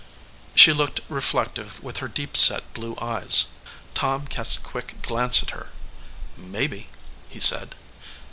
She looked reflective with her deep set blue eyes. Tom cast a quick glance at her. "Maybe," he said.